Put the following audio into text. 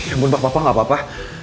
ya ampun pak papa nggak apa apa